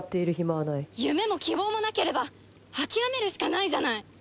夢も希望もなければ諦めるしかないじゃない！